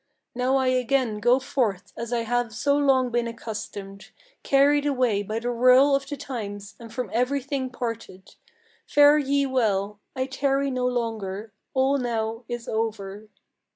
Now I again go forth, as I have so long been accustomed, Carried away by the whirl of the times, and from every thing parted. Fare ye well! I tarry no longer; all now is over."